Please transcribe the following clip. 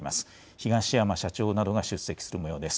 東山社長などが出席するもようです。